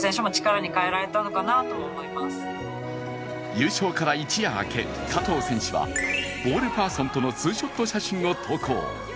優勝から一夜明け加藤選手はボールパーソンとのツーショット写真を投稿。